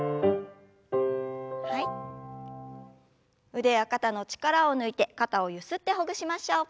腕や肩の力を抜いて肩をゆすってほぐしましょう。